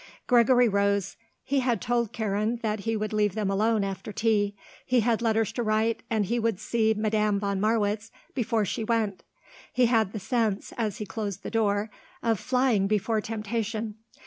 Gregory rose; he had told Karen that he would leave them alone after tea; he had letters to write and he would see Madame von Marwitz before she went. He had the sense, as he closed the door, of flying before temptation.